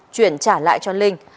chuyển trả lại cho linh